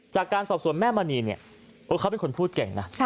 จากการสอบสวนแม่มณีเนี่ยเขาเป็นคนพูดเก่งนะ